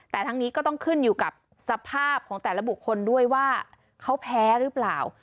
แต่ทั้งนี้ก็ต้องขึ้นอยู่กับสภาพของแต่ละบุคคลด้วยว่าเขาแพ้หรือเปล่า